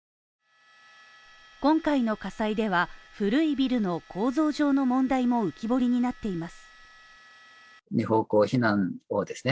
今回の火災では、古いビルの構造上の問題も浮き彫りになっています。